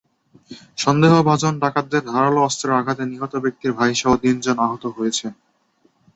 সন্দেহভাজন ডাকাতদের ধারালো অস্ত্রের আঘাতে নিহত ব্যক্তির ভাইসহ তিনজন আহত হয়েছেন।